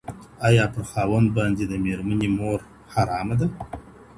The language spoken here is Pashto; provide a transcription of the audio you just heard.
آيا پر خاوند باندي د ميرمني مور حرامه ده؟